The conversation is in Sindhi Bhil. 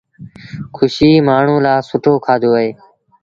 کُشي مآڻهوٚݩ لآ سُٺو کآڌو اهي۔